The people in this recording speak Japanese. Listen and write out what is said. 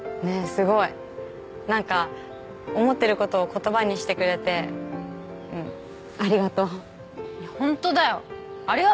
すごいなんか思ってることを言葉にしてくれてうんありがとういや本当だよありがとう！